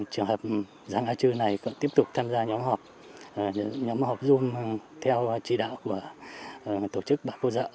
trường hợp giàng a chư này tiếp tục tham gia nhóm học dung theo trì đạo của tổ chức bà cô dợ